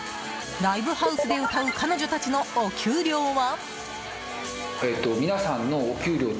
ライブハウスで歌う彼女たちのお給料は？